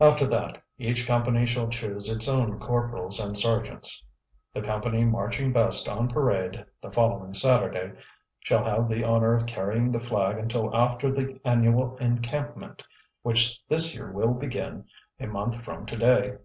After that each company shall choose its own corporals and sergeants. The company marching best on parade the following Saturday shall have the honor of carrying the flag until after the annual encampment, which this year will begin a month from to day."